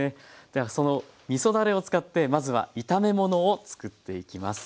ではそのみそだれを使ってまずは炒め物を作っていきます。